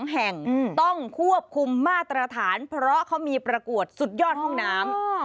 ๒แห่งต้องควบคุมมาตรฐานเพราะเขามีประกวดสุดยอดห้องน้ำ